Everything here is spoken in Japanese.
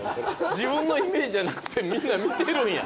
自分のイメージじゃなくてみんな見てるんや。